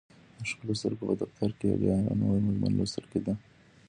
د ښکلو سترګو په دفتر کې یې بیا یو نوی مضمون لوستل کېده